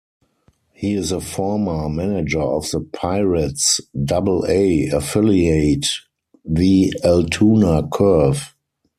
He is a former Manager of the Pirates' Double-A affiliate, the Altoona Curve.